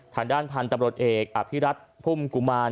ทางด้านพันธุ์ตำรวจเอกอภิรัตพุ่มกุมาร